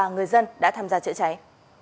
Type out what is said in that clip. người dân đã tham gia chữa cháy